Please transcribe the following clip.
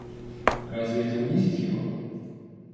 Разве это унизит его?